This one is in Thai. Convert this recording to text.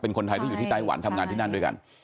เป็นคนไทยที่อยู่ที่ไต้หวันทำงานที่นั่นด้วยกัน